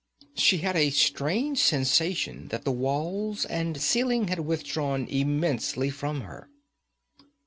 She had a strange sensation that the walls and ceiling had withdrawn immensely from her.